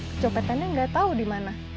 kecopetannya nggak tahu di mana